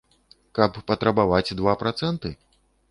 Каб патрабаваць два працэнты?